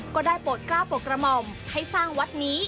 ก็ได้โปรดกล้าวโปรดกระหม่อมให้สร้างวัดนี้